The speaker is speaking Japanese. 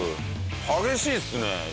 激しいですね。